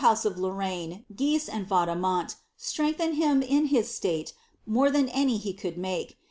ouse of Lorraine, Guise, and VaudemonI sirengllieiied him in nis r niii more llian any he could make.